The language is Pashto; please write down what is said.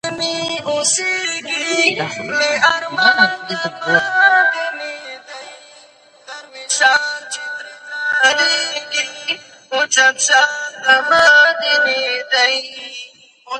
د فرهنګي بدلون له لارې موږ سره یو شو.